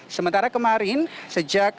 sementara kemarin sejak